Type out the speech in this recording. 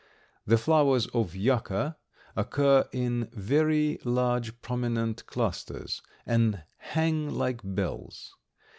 The flowers of Yucca occur in very large prominent clusters, and hang like bells.